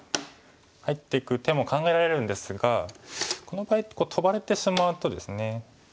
入っていく手も考えられるんですがこの場合トバれてしまうとですね。